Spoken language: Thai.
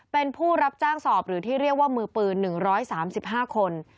เป็นผู้รับจ้างสอบหรือที่เรียกว่ามือปืน๑๓๕คน